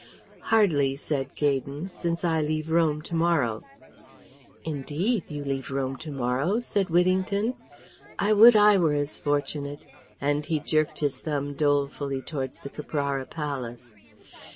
"Hardly," said Gaydon, "since I leave Rome to morrow." "Indeed? You leave Rome to morrow?" said Whittington. "I would I were as fortunate," and he jerked his thumb dolefully towards the Caprara Palace.